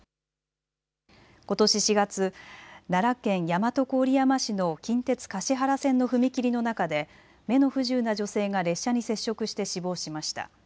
ことし４月、奈良県大和郡山市の近鉄橿原線の踏切の中で目の不自由な女性が列車に接触して死亡しました。